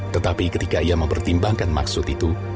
tetapi ketika ia mempertimbangkan maksud itu